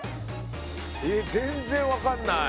え全然わかんない！